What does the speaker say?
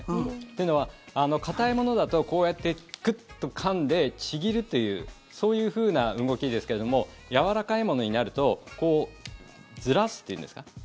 というのは、硬いものだとクッとかんで、ちぎるというそういうふうな動きですけれどもやわらかいものになるとこう、ずらすというんですか。